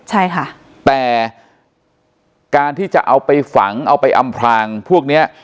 ใช่ค่ะแต่การที่จะเอาไปฝังเอาไปอำพลางพวกเนี้ย